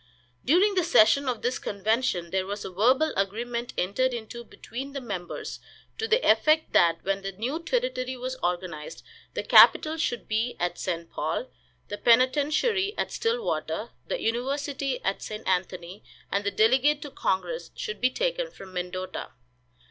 During the session of this convention there was a verbal agreement entered into between the members, to the effect that when the new territory was organized the capital should be at St. Paul, the penitentiary at Stillwater, the university at St. Anthony, and the delegate to congress should be taken from Mendota.